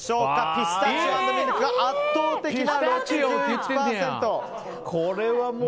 ピスタチオ＆ミルクが圧倒的な６１％！